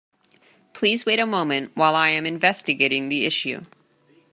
Please wait a moment while I am investigating the issue.